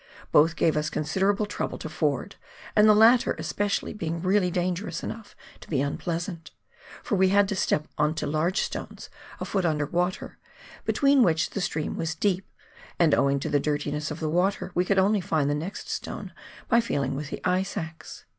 Both gave us considerable trouble to ford, and the latter especially being really dangerous enough to be unpleasant ; for we had to step on to large stones a foot under water, between which the stream was deep, and owing to the dirtiness of the water we could only find the next stone by feeling with the ice axe.